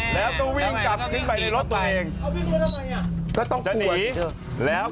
แล้วเขาวิ่งกลับขึ้นไปในรถตัวเอง